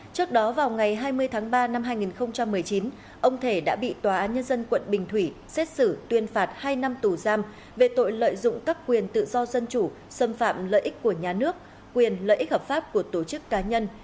trước đó vào ngày hai mươi tháng ba năm hai nghìn một mươi chín ông thể đã bị tòa án nhân dân quận bình thủy xét xử tuyên phạt hai năm tù giam về tội lợi dụng các quyền tự do dân chủ xâm phạm lợi ích của nhà nước quyền lợi ích hợp pháp của tổ chức cá nhân